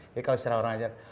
jadi kalau secara orang asal